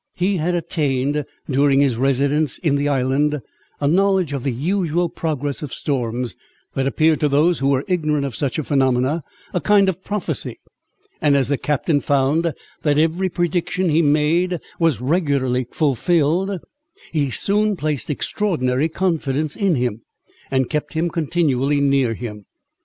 He had attained, during his residence in the island, a knowledge of the usual progress of storms, that appeared to those who were ignorant of such a phenomena, a kind of prophecy; and as the captain found that every prediction he made was regularly fulfilled, he soon placed extraordinary confidence in him, and kept him continually near him.